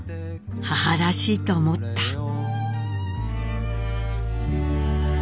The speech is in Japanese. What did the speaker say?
母らしいと思った」。